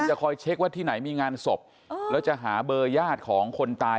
คอยเช็คว่าที่ไหนมีงานศพแล้วจะหาเบอร์ญาติของคนตาย